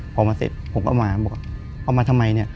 พอมาเสร็จผมก็มาบอกว่าเอามาทำไมเนี่ย